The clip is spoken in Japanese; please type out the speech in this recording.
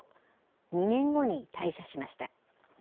２年後に退社しました。